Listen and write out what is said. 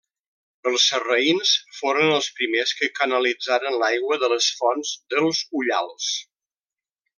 Els sarraïns foren els primers que canalitzaren l'aigua de les Fonts dels Ullals.